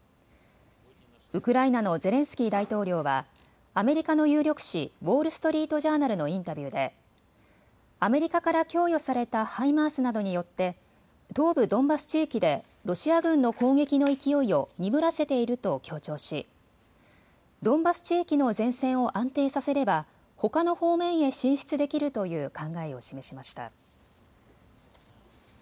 ウクライナのゼレンスキー大統領はアメリカの有力紙、ウォール・ストリート・ジャーナルのインタビューでアメリカから供与されたハイマースなどによって東部ドンバス地域でロシア軍の攻撃の勢いを鈍らせていると強調し、ドンバス地域の前線を安定させればほかの方面へ進出できるという考えを示しました。